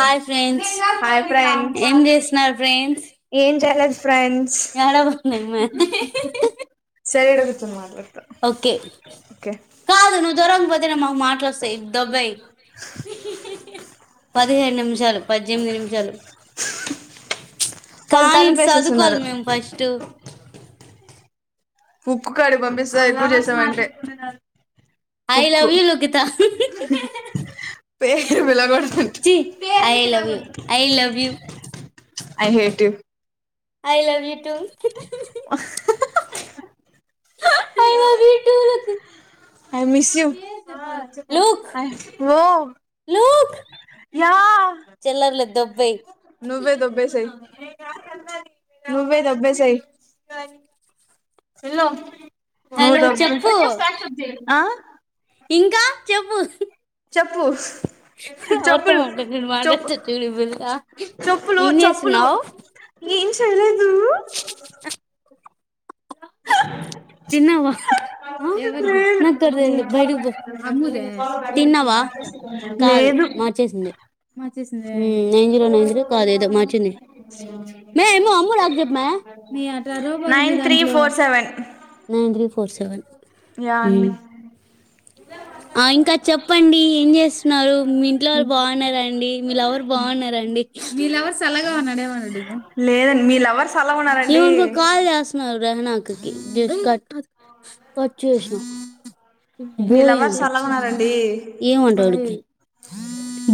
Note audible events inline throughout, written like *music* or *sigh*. Hi friends hi friends ఏం చేస్తున్నారు friends జలద్ ఫ్రెండ్స్ ఏడవకు సరే ఇక్కడ కూర్చొని మాట్లాడత ఓకే ఒకె కాదు నువ్వు దూరంగా పోతేనే మాకు మాటలు వస్తాయి డెబ్బై దొబ్బెయ్ పదిహేడు నిమిషాలు పద్దెనిమిది నిమిషాలు వాళ్ళు కానీ చదువుకోవాలి తలుపేసేసున్నారు మేము ఫస్ట్ ఉక్కు కాడికి పంపిస్తా ఎక్కువ చేసావంటే ఐ ఉక్కు లవ్ యూ లుకిత పేరు పిలకోడదు ఛీ I love you I love you I hate you I love you too I love you too lucky I miss you look వొ ఎహ్ చెలర్లేద్ దొబ్ నువ్వే దొబ్బేసేయ్ నువ్వే దొబ్బేసేయ్ ఏళ్ళు నువు హలో దొబ్బె చెప్పు ఆ ఇంకా చెప్పు చెప్పు ఎవరితొ చెప్పులు మాట్లాడినట్టు చెప్పు మాట్లాడత చూడు ఇప్పుడు ఆ చెప్పులు ఏం చెప్పులు చేస్తున్నవ్ ఏం చేయలేదు తిన్నవా నాకు కూడా తెలీదు లేదు బయటకి పొ తిన్నవా అహ్ కాదు లేదు మార్చేసింది ఉమ్ నైన్ జీరో నైన్ జీరో కాదు ఎదో మార్చింది మే యమ్ము అమ్ము లాక్ చెప్పు మే nine three four nine three four seven యాంది ఉమ్ *unintelligible* ఆ ఇంకా చెప్పండి ఏం చేస్తున్నరు మీ ఇంట్లో వాళు బావున్నరా అండి మీ లవర్ బావున్నరా అండి మీ లవర్ సల్లగా ఉన్నాడమో అడుగు లేదండి మీ లవర్ ఎవరికో కాల్ చెస్తున్నార్ జ్యోష్న అక్కకి జస్ట్ కట్ కట్ చేసిన మీ బొయ్ లవర్స్ అంట అలా ఉన్నారండి ఏమో అంటాండు తి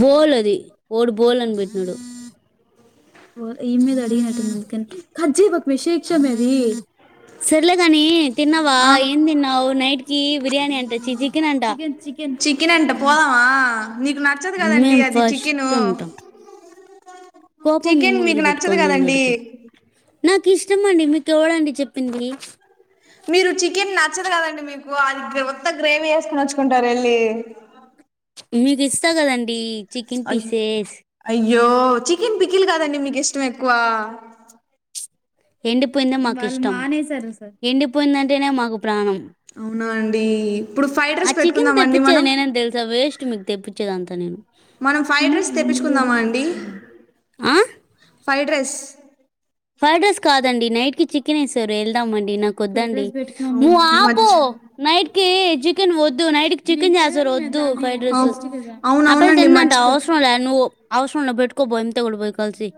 బోలె ఓడు బోల్ అని పెట్టినడు ఇయమ్మి ఎదొ అడిగినట్టుంది కన్ కట్ చేయబాకు మే షేక్ సర్లే గానీ తిన్నావా ఆ ఏం తిన్నావ్ నైట్ కి బిర్యానీ అంట చి చి చికెన్ అంటా చికెన్ అంట పోదామా నీకు నచ్చదు గదండి మేము అది చికెను ఫస్ట్ ఉంటాం కోపం చికెన్ మీకు మొదలు నచ్చదు పెట్టుకోంది కదండి ఇద్దరికి నాకు ఇష్టం అండి మీకు ఎవరు అండి చెప్పింది మీరు చికెన్ నచ్చదు కదండి మీకు అది ఒత గ్రేవీ వేసుకుని వచ్చుకుంటారు వెళ్ళి మీకు ఇస్తా కదా అండి చికెన్ అయ్యో పిఎచెస్ అయ్యో చికెన్ పికిల్ కాదండి మీకు ఇష్టం ఎక్కువ ఎండిపోయిందే మాకు ఇష్టం ఎండిపోయిందంటేనే మాకు ప్రాణం అవునా అండి ఇప్పుడు ఫైవ్ ఆ డ్రెస్ చికెన్ పెట్టుకుందామా అండి తెప్పించేది మనం నేనని తెలుసా వేస్ట్ మీకు తెప్పించేది అంతా నేను మనం ఫ్రైడ్ ఎందుకు రైస్ రెండు తెప్పించుకుందామా లూడోలు అండి పెట్టుకున్నావు? ఆ ఫ్రైడ్ రైస్ ఫ్రైడ్ రైస్ కాదండి నైట్ కి చికెన్ వేసారు వెళ్దాంమండి నాకు వద్దు అండి అవును నువు ఆపు మర్చి నైట్ కి చికెన్ వద్దు నైట్ కి చికెన్ చేస్తారు వద్దు ఫ్రైడ్ రైస్ అవు- అ పిల్ల అవునవునండి తినదంట మర్చిపో అవసరంలే నువ్ అవసరంలే పెట్టుకోబో ఎంతో కూడా పోయి కలిసి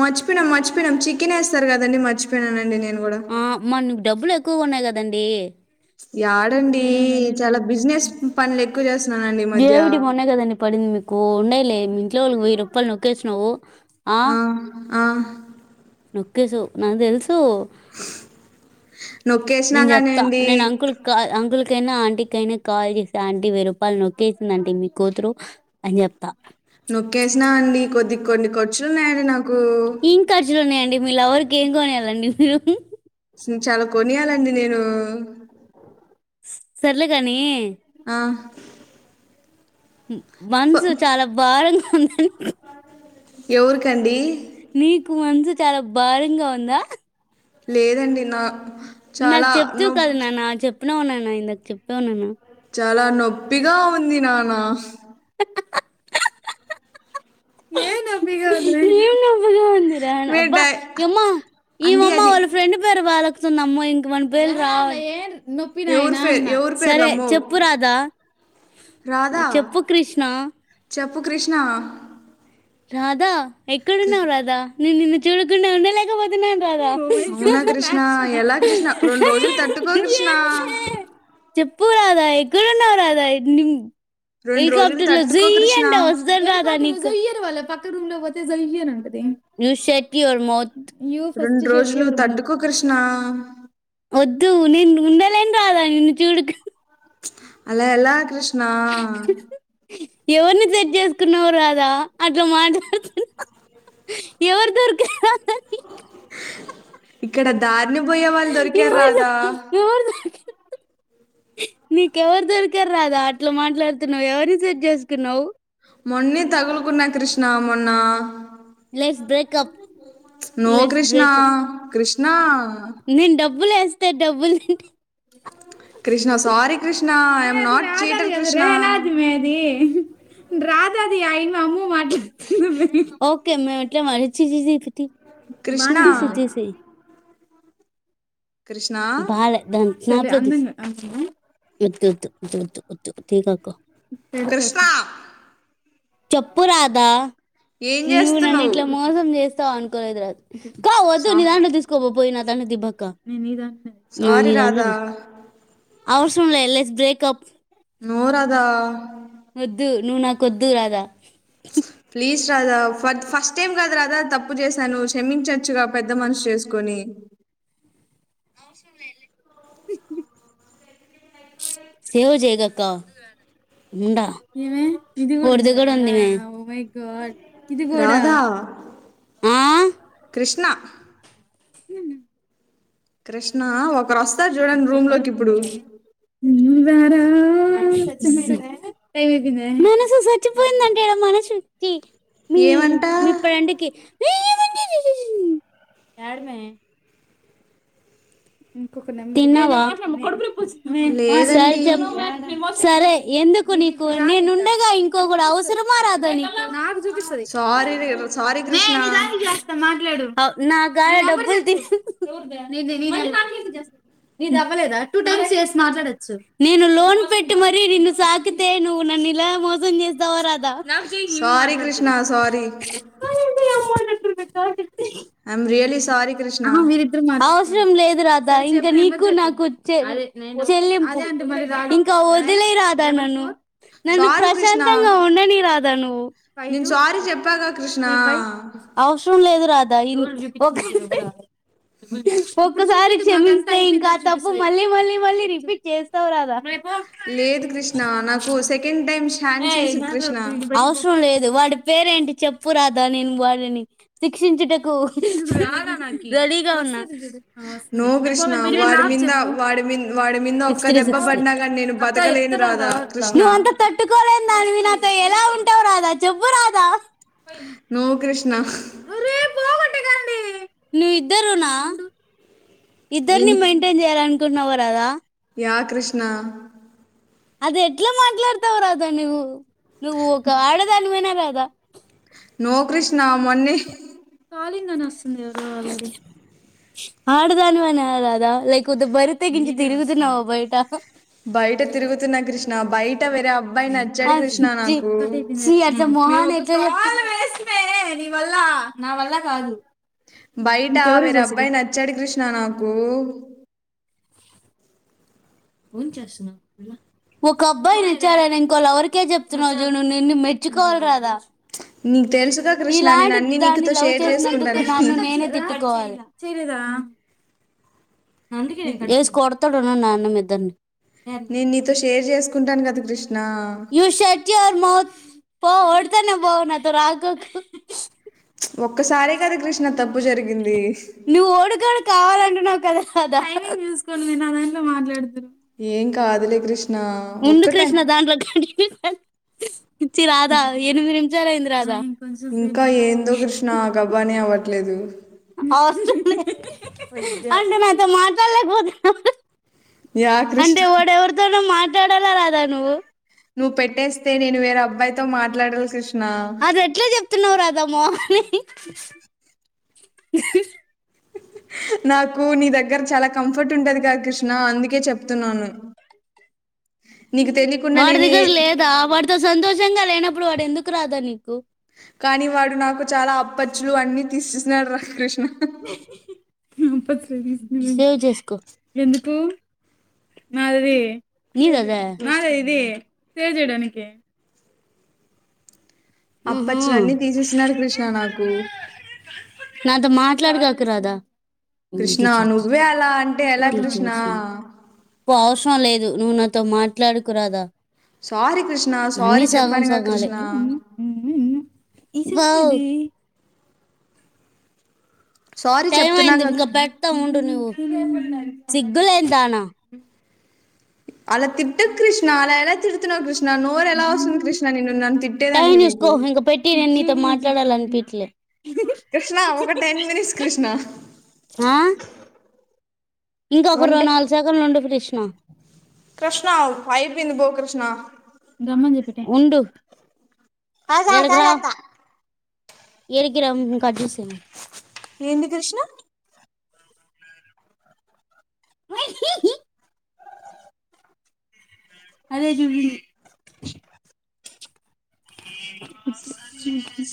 మర్చిపోయినాం మర్చిపోయినాం చికెన్ వేస్తారు కదండి మర్చిపోనానండి నేను కూడా ఆ మరి మీకు డబ్బులు ఎక్కువగున్నాయి కదాండి యాడండి చాలా బిజినెస్ పనులు ఎక్కువ చేస్తున్నానండి ఈ మధ్య దేవుడి మొన్నే కదా అండి పడింది మీకు ఉండయిలే మీ ఇంట్లో వెయ్యి రూపాయలు నొక్కేసినవు ఆ ఆ నొక్కేసావు నాకు తెల్సు తు నొక్కేసినా నేను కానీ చెప్తా అండి నేను అంకుల్ కాల్ అంకుల్ కైనా ఆంటీకైనా కాల్ చేసి ఆంటీ వెయ్యి రూపాళ్ళు నొక్కేసిందాంటి మీ కూతురు అని చెప్తా నొక్కేసినా అండి కొద్ది కొన్ని ఖర్చులున్నాడు నా ఎం ఖర్చులు ఉన్నాయండి మీ లవర్ కి ఏం కొనియాలి అండి మీరు చాలా కొనియాలండి నేను సర్లేగాని ఆ ఫ- మనసు చాలా భారంగా ఉందని ఎవరికండి నీకు మనసు చాలా భారంగా ఉందా లేదండి నా ఇందాక చాలా చెప్తివి కదా నొప్పి నాన్న చెప్పినవ్ నాన్న ఇందాకా చెప్పావు నానా చాలా నొప్పిగా ఉంది నాన్న ఎం నొపిగా ఉంది ఉందిరా మే అబ్బా డై ఇమ్మా అండి ఈమమ్మ అది వాళ్ళ ఫ్రెండ్ పేరు వాళ్ళకుతు అమ్మ ఇం క మన పేర్లు రావ్ ఎవరి పేరు ఎవరి సరే పేర్లమ్మో చెప్పు రాధా చెప్పు కృష్ణ ప్పు కృష్ణ రాధా కృ- ఎక్కడున్నావు రాధా నేను నిన్న చూడకుండా ఉండ లేకపోతున్నా రాధా అవునా కృష్ణ ఎలా కృష్ణ రెండు రోజులు తట్టుకో కృష్ణ చెప్పు రాధా ఎక్కడ ఉన్నావు రాధా ఇన్నిన్ రెండు రోజులు హెలికాప్టర్ లో తట్టుకో జుయ్ కృష్ణ అంటే వస్తాన్ రాధా నీకో వాళ్ళ పక్క రూమ్ లో పొతే జయ్ అని అంటది యూ ఫస్ట్ రొండు షర్ట్ రోజులు ఎవరు తట్టుకో కృష్ణ వద్దు నిన్న ఉండలేను రాధా నిన్ను చూడకుం అలా ఎలా కృష్ణా ఎవరిని సెట్ చేసుకున్నావు రాధా అట్లా మాట్లాడుతునవ్ ఎవరు దొరకరు ఇక్కడ దార్ ఎవరు దొరి ఎవరు దొరికారు నీకు ఎవరు దొరికారు రాధా అట్లా మాట్లాడుతున్నావు. ఎవరిని సెట్ చేసుకున్నావు. మొన్నే తగులుకున్నా కృష్ణ మొన్న let's breakup no Krishna Krishna నెన్ డబ్బులు ఎస్తా డబ్బుల్ Krishna sorry Krishna I may am అది నాట్ రాదు అది చీటర్ కృష్ణ రాదది అయిన్ మా మము మాట్లాడుతది ఓకే మ్మె ఛీఛీ పెట్టెయ్ కృష్ణ బానే తీసేచ్చేసేయ్ కృష్ణ బాలే అది *unintelligible* *unintelligible* వద్దు వద్దు పెడతా కృష్ణ స్నాప్ చెప్పు రాధా ఏం నువ్వు నన్ను చేస్తున్నావు ఇట్లా మోసం చేస్ అనుకోలేదు రాదు క్కో వద్దు సా నీ దాంట్లో తీసుకోపో పోయి నాదాంట్లో దిబక్క సారీ రాధా అవసరంలే లెస్ బ్రేకప్ నో రాధా ఓద్దు నువ్వు నాక్ ఒద్దు రాదా రాదా ఫ ఫస్ట్ టైం కాదు రాదా తప్పు చేశాను. క్షమించచ్చుగా పెద్ద మనుసు చేసుకొని అవసరం లేదులే సేవ్ జెగేకక్క ! ! ! ! ! ! ! ! ! ! కోర్ ఉంది మే ఇది కూడా రాధా ఆ కృష్ణ క్రిష్ణ ఒకరు వస్తారు చూడండి రూమ్ లోకి ఇప్పుడు రారా టైమ్ అయిపోయిందా మీ ఏమంట మీ ప్రెండికి *unintelligible* ఇంకొక నేమ్ తిన్నావ సరే లేదండి చెప్ సరే ఎందుకు నీకు నేనుండగా ఇంకోకడు అవసరమా రాదని సారీ సారీ కృష్ణ *inaudible* నా కాడ డబ్బల్ తీసి నీద్ అవ్వలేదా టూ టైమ్స్ చేసి మాట్లాడచ్చు. నేను లోన్ పెట్టి మరి నిన్ను సాకితే నువ్వు నాన్ నన్ను ఇలా మోసం చేస్తావా Radha sorry Krishna sorry *inaudible* I am really sorry Krishna లేద్ అదు రాదా ఇంకా నీకు నాకు చె చెల్లింపు ఇంకా ఓదిలేరాదా నన్ను నన్ను సారీ కృష్ణ ప్రశాంతంగా ఉండనీ రాదా నువ్వు నేను సారీ చెప్పాగా కృష్ణ అవసరం లేదు రాదా ఇ ఒక్క ఒక్కసారి క్షమిస్తే ఇంకా తప్పు మళ్ళీ మళ్ళీ మళ్ళీ రిపీట్ చేస్తావు రాదా. లేదు కృష్ణ నాకు సెకండ్ టైం ఛాన్స్ ఇచ్చి కృష్ణ అవసరం లేదు వాడి పేరేంటి చెప్పు రాదా నేను వాడిని శిక్షించుటకు రిగా ఉన్న ఆ వస్తుంది నో కృష్ణ వాడి మేమంతా మీద వాడి మీద వాడి మీద ఒక్క దెబ్బ పడినా కానీ నేను బతకలేను రాదా కృష్ణ తట్టుకోలే నాతో ఎలా ఉంటావు రాధా చెప్పు రాధా నువ్ కృష్ణ నీ ఇద్దరునా ఇద్దరిని ఏంది మెయింటైన్ చేయ్యాల అనుకుంటన్నావ రాధా ఎహ్ కృష్ణ అది ఎట్లా మాట్లాడతావు రాధా నువ్వు నువ్వు ఒక ఆడదానివేనా గదా నో క్రిష్ణ మొన్ననే కాలింగ్ అనస్తుంది అలాది ఆడదానివేనాకదా లైక్! ! ! ! ! ! ! ! తిరుగుతున్నావ బయట నా బైట్ చి అట్లా మొఖం తాళం వేసి ని వల్ల బయట ఇంకెవరు వేరే చేసేది అబ్బాయి నచ్చాడు కృష్ణ నాకు ఎం చేస్తున్నావ్ ఒక అబ్బాయిని ఇచ్చాడని ఇంకో లవర్ కి చెప్తునవ్ చూడు నువ్వు నిన్ మెచ్చుకోవాలి రాధా నీకు తెలుసుగా కృష్ణ నేను నీలాంటి అన్ని దాన్ని నీకుతో లవ్ షేర్ చేసినందుకు చేసుకుంటానని నన్నూ నేన్నే తిట్టుకోవాలి చేయలేదా నీ- అ ఏసి కొడతాడున్న నాన్న మీ ఇద్దరిని నేను నీతో షేర్ చేసుకుంటాను కదా కృష్ణ మ పో వాడితోనే పో నాతో రాగ ఒక్కసారి కదా కృష్ణ తప్పు జరిగింది నువ్వు వాడికోడు కావాలంటున్నావ్ కదా రాధా ఏం కాదులే కృష్ణ ఉండు ఒక్క టైం కృష్ణ దాంట్లో ఇచ్చి రాధా ఎనిమిది నిమిషాల అయింది రాధా కొంచెం సేపు ఇంకా ఏందో కృష్ణ గబా అని అవ్వట్లేదు అవు అంటే నాతో మాట్లాడలేకపోతు యా అంటే కృష్ణ వాడెవరితోన మాట్లాడాలా రాధా నువ్వు నువ్వు పెట్టేస్తే నేను వేరే అబ్బాయితో మాట్లాడ అది ఎట్లే చెప్తున్నావు రాధా మొఖని నాకు నీ దగ్గర చాలా కంఫర్ట్ ఉంటదిగా కృష్ణ అందుకే చెప్తున్నాను నీకు తెలియకుండా వాడి నేను దగ్గర ఏ- లేదా వాడితో సంతోషంగా లేనప్పుడు వాడు ఎందుకు రాధా నీకు కానీ వాడు నాకు చాలా అప్పచ్చులు అన్ని తీసేసినాడు రా కృష్ణ ఎందుకు నాది ఇది నీడది నాదే ఇది ప్లే చేయడానికి ఆహా అప్పచ్చలన్నీ తీసేస్తున్నాడు కృష్ణ నాకు నాతో మాట్లాడగాక రాధ కృష్ణా నువ్వే అలా అంటే ఎలా కృష్ణ అవసరం లేదు నువ్వు నాతో మాట్లాడకు రాధా సారీ కృష్ణ సారీ చెప్పానుగా కృష్ణ ఫాయే సారీ టైం అయింది చెప్తున్నాగా ఇంకా కృ- పెడతాము ఉండు నువ్వు సిగ్గులేదాన అలా తిట్టాక్ కృష్ణ అలా ఎలా తీడోతావ్ కృష్ణ నోరు ఎలా వస్తుంది కృష్ణ నిన్ను నన్ను టై తిట్టేదానికి నీకు చూసుకో ఇంక పెట్టి నేను నీతో మాట్లాడాల అనిపట్లే కృష్ణ ఒక టెన్ మినిట్స్ కృష్ణ హా ఇంకా ఒక రెండు నాలుగు సెకండ్ ఉండు కృష్ణ కృష్ణా అయ్యిపోయింది పో కృష్ణ గమ్మని ఉండు *inaudible* ఎరిగిరం కట్ చెస్ ఏంది కృష్ణ అదే జూవ్వి